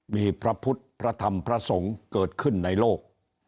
มีพระพุทธพระธรรมพระสงฆ์เกิดขึ้นในโลก